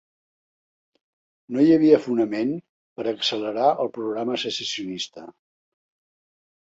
No hi havia fonament per a accelerar el programa secessionista.